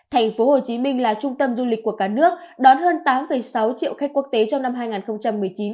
thành phố hồ chí minh là trung tâm du lịch của cả nước đón hơn tám sáu triệu khách quốc tế trong năm hai nghìn một mươi chín